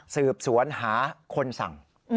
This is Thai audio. สืบสวนหาคนสั่ง